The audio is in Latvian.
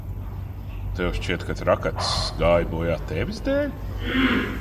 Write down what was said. Tev šķiet, ka Trakacis gāja bojā tevis dēļ?